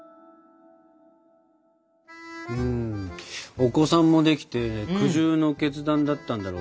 お子さんもできて苦渋の決断だったんだろうけどさ。